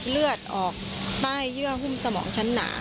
เลือดออกใต้เยื่อหุ้มสมองชั้นหนา